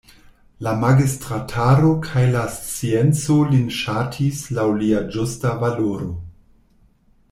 La magistrataro kaj la scienco lin ŝatis laŭ lia ĝusta valoro.